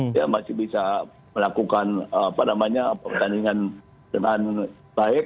dia masih bisa melakukan pertandingan dengan baik